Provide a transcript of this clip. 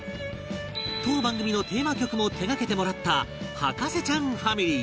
当番組のテーマ曲も手がけてもらった『博士ちゃん』ファミリー